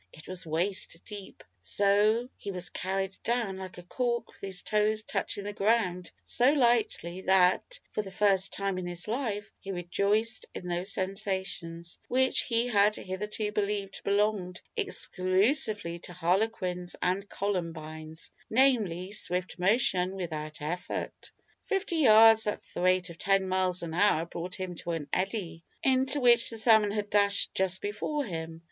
It was waist deep, so he was carried down like a cork with his toes touching the ground so lightly, that, for the first time in his life, he rejoiced in those sensations, which he had hitherto believed belonged exclusively to harlequins and columbines; namely, swift motion without effort! Fifty yards at the rate of ten miles an hour brought him to an eddy, into which the salmon had dashed just before him.